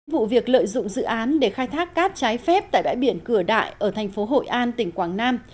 vụ việc lợi dụng dự án để khai thác cát trái phép tại bãi biển cửa đại ở thành phố hội an tỉnh quảng nam